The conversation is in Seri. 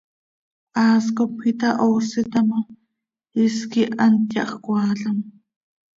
Haas cop itahooseta ma, is quih hant yahjcoaalam.